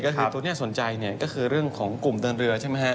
ก็คือตัวนี้สนใจเนี่ยก็คือเรื่องของกลุ่มเดินเรือใช่ไหมฮะ